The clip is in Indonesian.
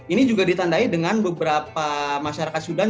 ini juga ditandai dengan beberapa masyarakat sudan